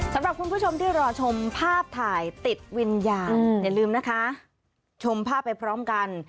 สำหรับคุณผู้ชมที่รอชมภาพถ่ายติดวิญญาณอย่าลืมนะคะชมภาพไปพร้อมกัน